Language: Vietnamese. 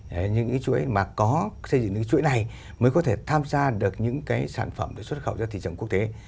để những cái chuỗi mà có xây dựng những cái chuỗi này mới có thể tham gia được những cái sản phẩm xuất khẩu cho thị trường quốc tế